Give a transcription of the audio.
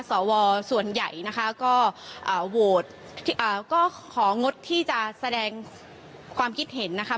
สวส่วนใหญ่นะคะก็โหวตก็ของงดที่จะแสดงความคิดเห็นนะคะ